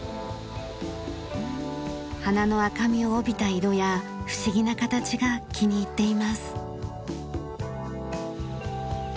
花の赤みを帯びた色や不思議な形が気に入っています。